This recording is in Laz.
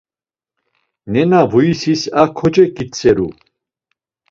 Nena vuyisis a koç̌eǩitzeru.